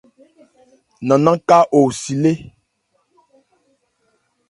Nannán ka wo si lé.